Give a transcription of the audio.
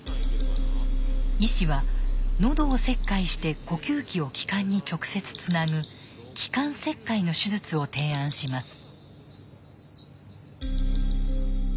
医師は喉を切開して呼吸器を気管に直接つなぐ気管切開の手術を提案します。